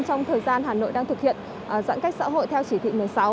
trong thời gian hà nội đang thực hiện giãn cách xã hội theo chỉ thị một mươi sáu